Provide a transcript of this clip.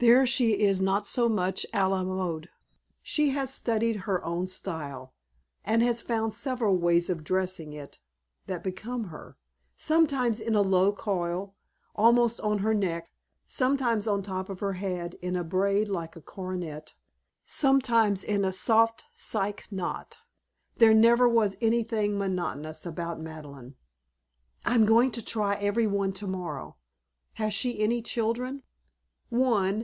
"There she is not so much a la mode. She has studied her own style, and has found several ways of dressing it that become her sometimes in a low coil, almost on her neck, sometimes on top of her head in a braid like a coronet, sometimes in a soft psyche knot. There never was anything monotonous about Madeleine." "I'm going to try every one tomorrow. Has she any children?" "One.